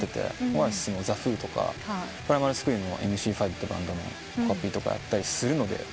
オアシスもザ・フーとかプライマル・スクリームもＭＣ５ってバンドのコピーとかやったりするので。